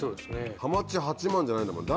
「はまち八万」じゃないんだもん